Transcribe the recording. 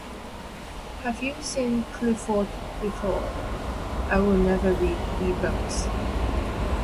Have you seen Clifford before? I will never read E-Books.